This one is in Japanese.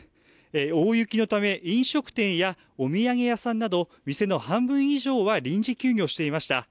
大雪のため、飲食店やお土産屋さんなど、店の半分以上は臨時休業していました。